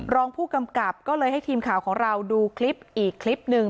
รองผู้กำกับก็เลยให้ทีมข่าวของเราดูคลิปอีกคลิปหนึ่ง